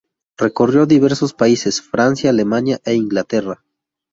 Recorrió diversos países, Francia, Alemania e Inglaterra.